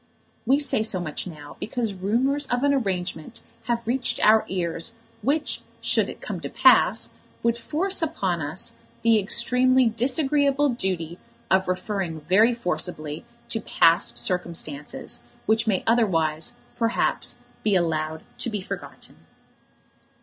We say so much now because rumours of an arrangement have reached our ears, which, should it come to pass, would force upon us the extremely disagreeable duty of referring very forcibly to past circumstances, which may otherwise, perhaps, be allowed to be forgotten.